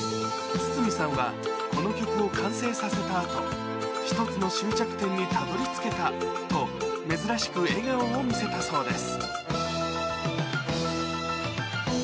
筒美さんはこの曲を完成させたあと、一つの終着点にたどりつけたと珍しく笑顔を見せたそうです。